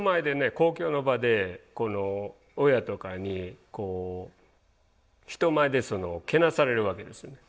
公共の場で親とかにこう人前でけなされるわけですね。